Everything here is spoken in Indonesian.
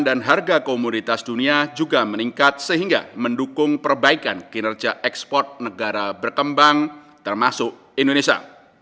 dan harga komoditas dunia juga meningkat sehingga mendukung perbaikan kinerja ekspor negara berkembang termasuk indonesia